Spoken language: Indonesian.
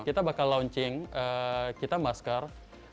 kita bakal launching kita masker